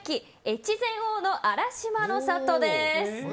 越前おおの荒島の郷です。